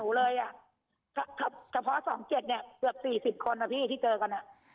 ที่เจอแบบหนูเลยอ่ะเฉพาะสองเจ็ดเนี่ยเกือบสี่สิบคนอ่ะพี่ที่เจอกันอ่ะ